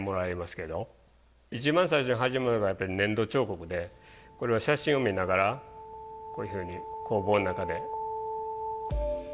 一番最初に始めるのはやっぱり粘土彫刻でこれは写真を見ながらこういうふうに工房の中でやってます。